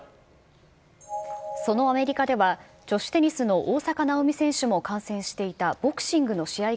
そのアメリカでは、女子テニスの大坂なおみ選手も観戦していたボクシングの試合